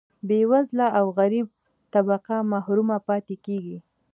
بیوزله او غریبه طبقه محروم پاتې کیږي.